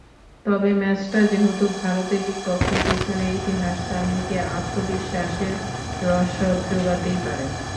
তবে ম্যাচটা যেহেতু ভারতের বিপক্ষে, পেছনের ইতিহাস তামিমকে আত্মবিশ্বাসের রসদ জোগাতেই পারে।